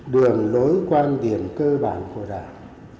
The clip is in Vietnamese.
đường lối quan điểm cơ bản của đảng